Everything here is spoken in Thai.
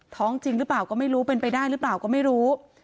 ท้องจริงหรือเปล่าก็ไม่รู้เป็นไปได้หรือเปล่าก็ไม่รู้